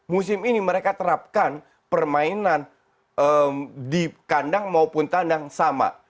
musim ini mereka terapkan permainan di kandang maupun tandang sama